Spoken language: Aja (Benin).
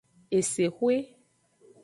Esexwe.